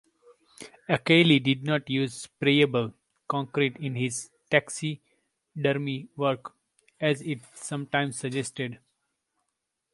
Akeley did not use sprayable concrete in his taxidermy work, as is sometimes suggested.